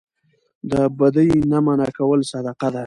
د بدۍ نه منع کول صدقه ده